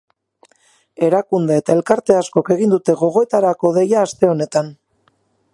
Erakunde eta elkarte askok egin dute gogoetarako deia aste honetan.